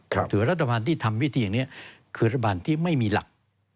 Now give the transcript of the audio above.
ถือว่ารัฐบาลที่ทำวิธีอย่างนี้คือรัฐบาลที่ไม่มีหลัก